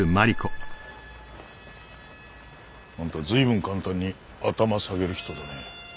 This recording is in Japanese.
あんた随分簡単に頭下げる人だね。